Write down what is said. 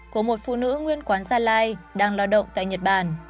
của một phụ nữ nguyên quán gia lai đang lo động tại nhật bản